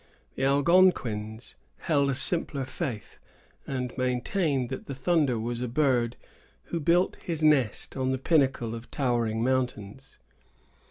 The Algonquins held a simpler faith, and maintained that the thunder was a bird who built his nest on the pinnacle of towering mountains.